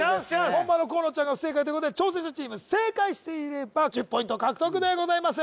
門番の河野ちゃんが不正解ということで挑戦者チーム正解していれば１０ポイント獲得でございます